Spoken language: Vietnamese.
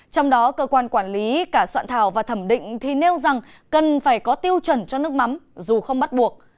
trong đó cơ quan quản lý cả soạn thảo và thẩm định thì nêu rằng cần phải có tiêu chuẩn cho nước mắm dù không bắt buộc